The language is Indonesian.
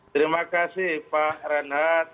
terima kasih pak renhard